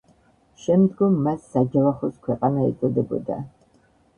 შემდგომ მას საჯავახოს ქვეყანა ეწოდებოდა.